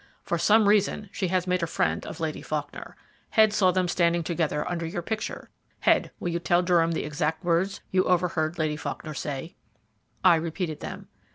For some reason she has made a friend of Lady Faulkner. Head saw them standing together under your picture. Head, will you tell Durham the exact words you overheard Lady Faulkner say?" I repeated them.